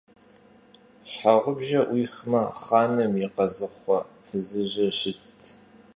Щхьэгъубжэр Ӏуихмэ, хъаным и къазыхъуэ фызыжьыр щытт.